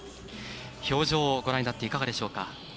表情をご覧になっていかがでしょうか？